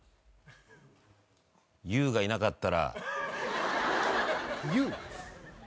Ｙｏｕがいなかったら。